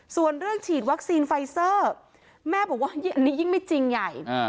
ส่วนเรื่องฉีดวัคซีนไฟเซอร์แม่บอกว่าอันนี้ยิ่งไม่จริงใหญ่